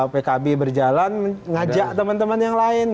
pkb berjalan ngajak teman teman yang lain